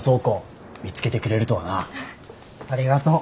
ありがとう。